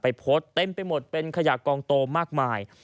โพสต์เต็มไปหมดเป็นขยะกองโตมากมาย